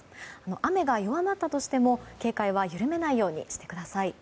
雨が弱まったとしても、警戒は緩めないようにしてください。